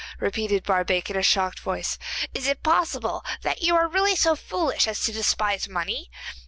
repeated Barbaik, in a shocked voice. 'Is it possible that you are really so foolish as to despise money?